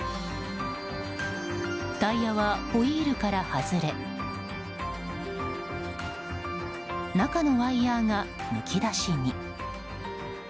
タイヤはホイールから外れ中のワイヤがむき出しに。